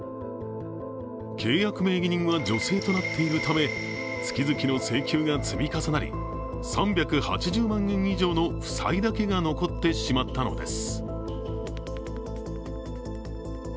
契約名義人は女性となっているため、月々の請求が積み重なり、３８０万円以上の負債だけが残ってしまったのです。